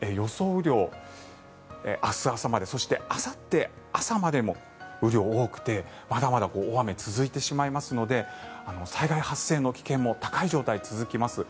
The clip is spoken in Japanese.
雨量、明日朝までそして、あさって朝までも雨量が多くて、まだまだ大雨が続いてしまいますので災害発生の危険も高い状態が続きます。